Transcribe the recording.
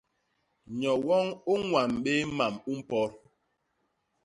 Nyo woñ u ñwan bé mam u mpot.